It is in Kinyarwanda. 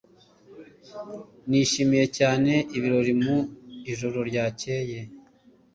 Nishimiye cyane ibirori mu ijoro ryakeye